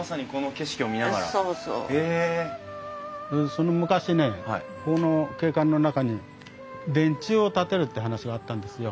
その昔ねこの景観の中に電柱を建てるって話があったんですよ。